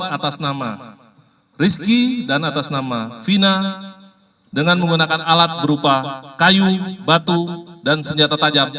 atas nama rizky dan atas nama fina dengan menggunakan alat berupa kayu batu dan senjata tajam